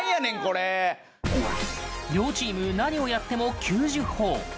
両チーム何をやっても９０ほぉ。